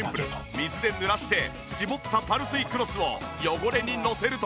水で濡らして絞ったパルスイクロスを汚れにのせると。